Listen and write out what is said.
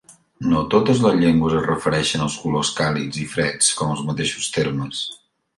No totes les llengües es refereixen als colors càlids i freds amb els mateixos termes.